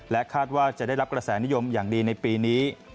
คาดว่าจะได้รับกระแสนิยมอย่างดีในปีนี้